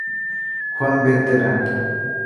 Juan B. Terán.